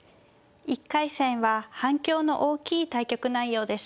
１回戦は反響の大きい対局内容でした。